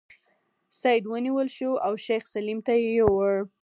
سید ونیول شو او شیخ سلیم ته یې یووړ.